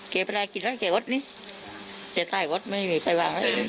เก่ไปรายกิจแล้วเก่อดนี้เก่อดใต้อดไม่มีไปบ้าง